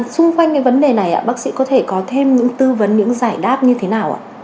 xung quanh cái vấn đề này bác sĩ có thể có thêm những tư vấn những giải đáp như thế nào ạ